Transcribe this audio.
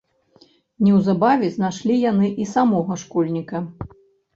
Неўзабаве знайшлі яны і самога школьніка.